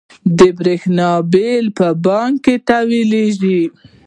د بریښنا بیل په بانک تحویلیږي؟